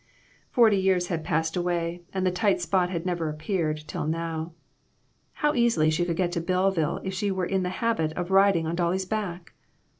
Forty years had passed away, and the tight spot had never appeared till now. How easily she could get to Belleville if she was in the habit of riding on Dolly's back